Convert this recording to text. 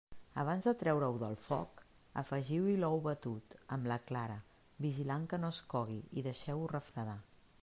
Abans de treure-ho del foc, afegiu-hi l'ou batut, amb la clara, vigilant que no es cogui i deixeu-ho refredar.